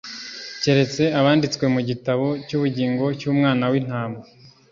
keretse abanditswe mu gitabo cy’ubugingo cy’Umwana w’Intama.